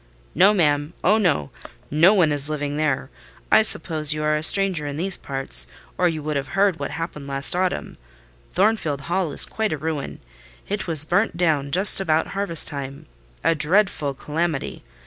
"No, ma'am—oh, no! No one is living there. I suppose you are a stranger in these parts, or you would have heard what happened last autumn,—Thornfield Hall is quite a ruin: it was burnt down just about harvest time. A dreadful calamity!